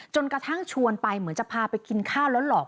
กระทั่งชวนไปเหมือนจะพาไปกินข้าวแล้วหลอก